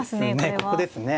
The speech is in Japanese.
ここですね。